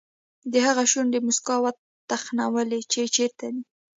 د هغه شونډې موسکا وتخنولې چې چېرته دی.